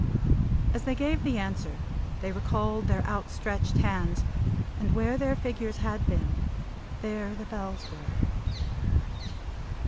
As they gave the answer, they recalled their outstretched hands; and where their figures had been, there the Bells were.